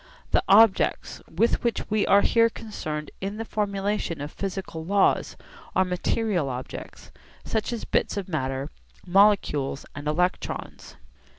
The objects with which we are here concerned in the formulation of physical laws are material objects, such as bits of matter, molecules and electrons.